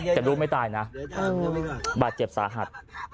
แต่ลูกไม่ตายนะบาดเจ็บสาหัส